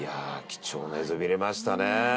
貴重な映像見れましたね